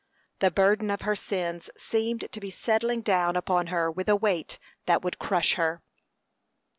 The burden of her sins seemed to be settling down upon her with a weight that would crush her.